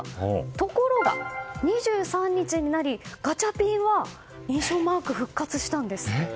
ところが、２３日になりガチャピンは認証マークが復活したんです。